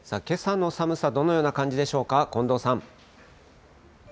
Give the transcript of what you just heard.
けさの寒さ、どのような感じでしょうか、近藤さん。